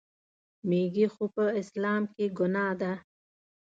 میږي خو په اسلام کې ګناه ده.